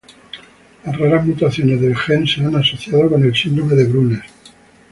Las raras mutaciones del gen se han asociado con el síndrome de Brunner.